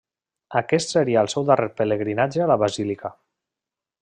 Aquest seria el seu darrer pelegrinatge a la basílica.